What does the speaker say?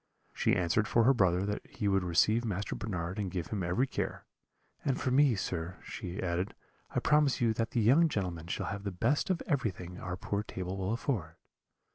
She answered for her brother that he would receive Master Bernard and give him every care; 'and for me, sir,' she added, 'I promise you that the young gentleman shall have the best of everything our poor table will afford.'